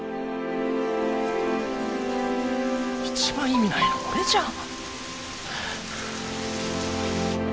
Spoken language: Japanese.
一番意味ないの俺じゃん。